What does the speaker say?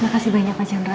makasih banyak pak jendral